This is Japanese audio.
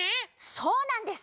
そうなんです！